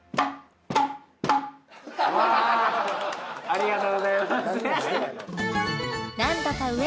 ありがとうございます